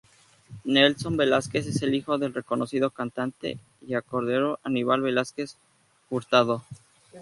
Nelson Velásquez es el hijo del reconocido cantante y acordeonero Aníbal Velásquez Hurtado.